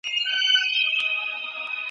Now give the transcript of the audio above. بريالي به را روان وي `